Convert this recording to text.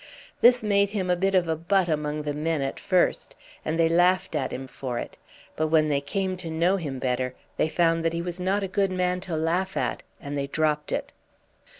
This made him a bit of a butt among the men at first, and they laughed at him for it; but when they came to know him better they found that he was not a good man to laugh at, and then they dropped it.